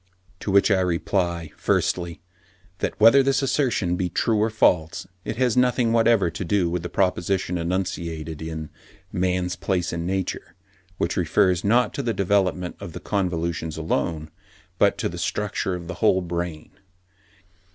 To which I reply, firstly, that whether this assertion be true or false, it has nothing whatever to do with the proposition enunciated in 'Man's Place in Nature,' which refers not to the development of the convolutions alone, but to the structure of the whole brain.